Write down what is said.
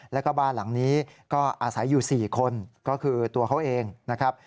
แล้วก็บ้านหลังนี้ก็อาศัยอยู่๔คนก็คือตัวเขาเองนะครับ